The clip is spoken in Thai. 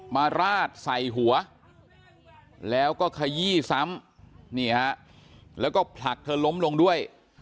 มาราดใส่หัวแล้วก็ขยี้ซ้ำแล้วก็ผลักล้มลงด้วย